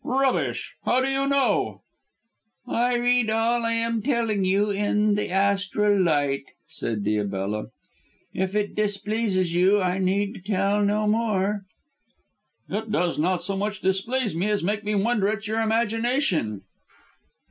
"Rubbish! How do you know?" "I read all I am telling you in the astral light," said Diabella. "If it displeases you I need tell no more." "It does not so much displease me as make me wonder at your imagination."